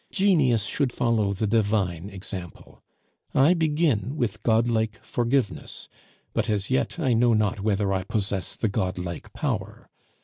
Genius should follow the Divine example; I begin with God like forgiveness, but as yet I know not whether I possess the God like power.